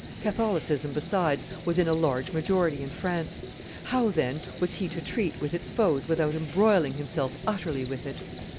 Catholicism, besides, was in a large majority in France: how, then, was he to treat with its foes without embroiling himself utterly with it?